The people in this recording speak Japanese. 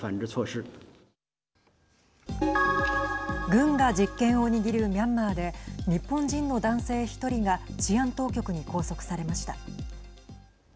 軍が実権を握るミャンマーで日本人の男性１人が治安当局に拘束されました。